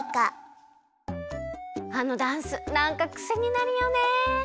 あのダンスなんかクセになるよね。